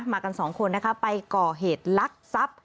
มากัน๒คนนะคะไปก่อเหตุลักษณ์ซับ